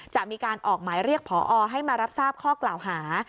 จะมีการออกหมายเรียกพอให้มารับทราบข้อกล่าวหา